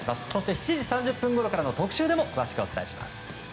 ７時３０分ごろからの特集でもお伝えします。